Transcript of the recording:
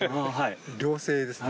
両性ですね。